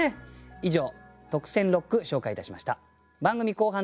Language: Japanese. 以上特選六句紹介いたしました。